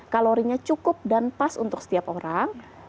kalorinya cukup dan pas untuk setiap orang